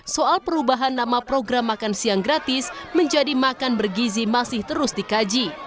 soal perubahan nama program makan siang gratis menjadi makan bergizi masih terus dikaji